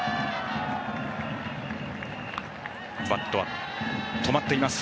バットは止まっていました。